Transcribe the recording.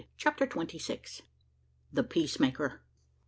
CHAPTER TWENTY SIX. THE PEACEMAKER.